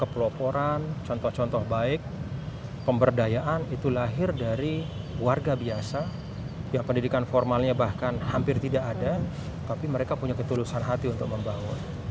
peloporan contoh contoh baik pemberdayaan itu lahir dari warga biasa yang pendidikan formalnya bahkan hampir tidak ada tapi mereka punya ketulusan hati untuk membangun